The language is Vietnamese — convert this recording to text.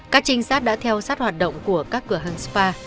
các trinh sát đã theo sát hoạt động của các cửa hàng spa